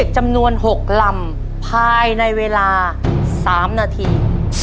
จำนวน๖ลำภายในเวลา๓นาที